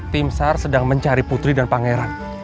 timsar sedang mencari putri dan pangeran